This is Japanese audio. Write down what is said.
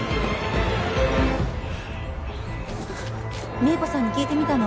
美恵子さんに聞いてみたの。